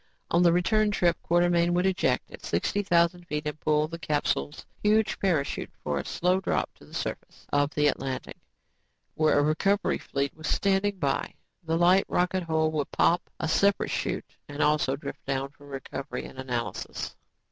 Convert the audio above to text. On the return trip, Quartermain would eject at sixty thousand feet and pull the capsule's huge parachute for a slow drop to the surface of the Atlantic where a recovery fleet was standing by. The light rocket hull would pop a separate chute and also drift down for recovery and analysis.